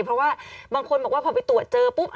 เพราะว่าบางคนบอกว่าพอไปตรวจเจอปุ๊บ